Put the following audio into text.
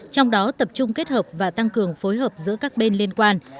trong đó tập trung kết hợp và tăng cường phối hợp giữa các bên liên quan